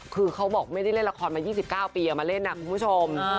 คือเขาบอกไม่ได้เล่นละครมา๒๙ปีเอามาเล่นนะคุณผู้ชม